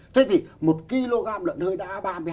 thế thì một kg lợn hơi đã ba mươi